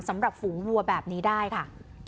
สำหรับฝูงวัวแบบนี้ได้ค่ะ